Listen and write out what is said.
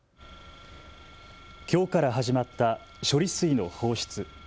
きょうから始まった処理水の放出。